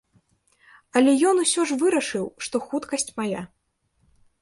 Але ён усё ж вырашыў, што хуткасць мая.